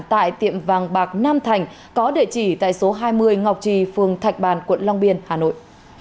tại tiệm vàng bạc nam thành có địa chỉ tại số hai mươi ngọc trì phường thạch bàn quận long biên hà nội